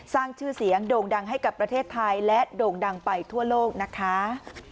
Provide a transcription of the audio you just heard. สร้างชื่อเสียงโด่งดังให้กับประเทศไทยและโด่งดังไปทั่วโลกนะคะ